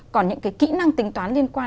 còn những cái kỹ năng tính toán liên quan